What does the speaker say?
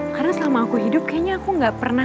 karena selama aku hidup kayaknya aku gak pernah